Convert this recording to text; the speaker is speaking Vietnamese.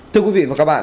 thưa quý vị và các bạn